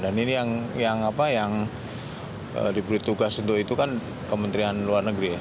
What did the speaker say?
dan ini yang diberi tugas untuk itu kan kementerian luar negeri ya